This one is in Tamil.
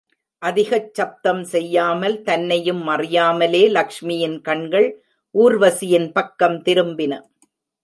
அதிகச் சப்தம் செய்யாமல், தன்னையும் அறியாமலே லக்ஷ்மியின் கண்கள் ஊர்வசியின் பக்கம் திரும்பின.